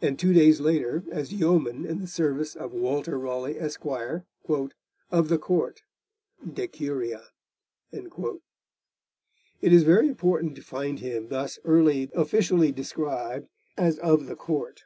and two days later as yeoman in the service of Walter Rawley, Esq., 'of the Court (de curia).' It is very important to find him thus early officially described as of the Court.